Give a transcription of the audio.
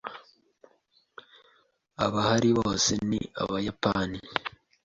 Abahari bose ni abayapani.